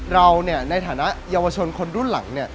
เราในฐานะเยาวชนคนรุ่นหลัง